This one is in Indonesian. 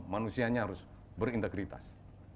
manusianya harus berintegritas